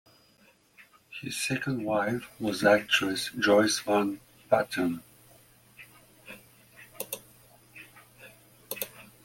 His second wife was actress Joyce Van Patten.